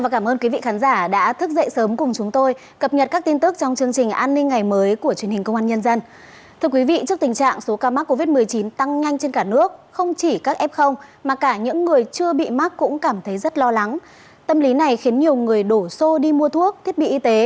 các bạn hãy đăng ký kênh để ủng hộ kênh của chúng mình nhé